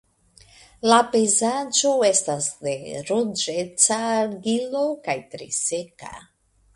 La pejzaĝo estas de ruĝeca argilo kaj tre seka.